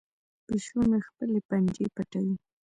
پیشو مې خپلې پنجې پټوي.